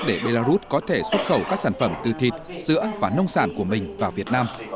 để belarus có thể xuất khẩu các sản phẩm từ thịt sữa và nông sản của mình vào việt nam